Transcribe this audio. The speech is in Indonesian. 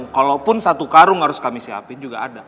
kalaupun satu karung harus kami siapin juga ada